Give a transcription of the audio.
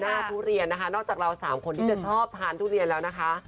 ทุเรียนนะคะนอกจากเราสามคนที่จะชอบทานทุเรียนแล้วนะคะ